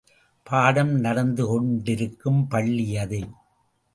பாடம் நடந்துகொண்டிருக்கும் பள்ளி அது.